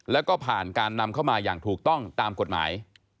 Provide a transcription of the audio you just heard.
แล้วก็ผ่านการนำเข้ามาอย่างถูกต้องตามกฎหมาย